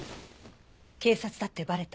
警察だってバレた？